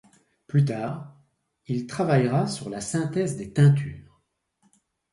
Plus tard, il travaillera sur la synthèse des teintures.